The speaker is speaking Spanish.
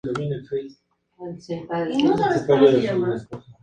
La actividad de Roberto Alcántara ha logrado diversificarse en varios sectores.